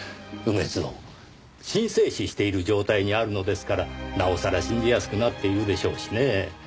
梅津を神聖視している状態にあるのですからなおさら信じやすくなっているでしょうしねぇ。